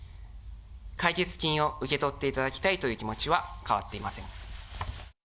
解決金を受け取っていただきたいという気持ちは変わっていません。